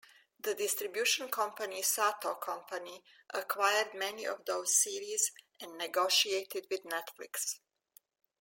The distribution company Sato Company acquired many of those series and negotiated with Netflix.